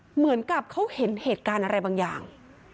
เหมือนกับเขาเห็นเหตุการณ์อะไรบางอย่าง